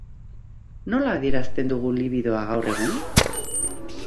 Nola adierazten dugu libidoa gaur egun?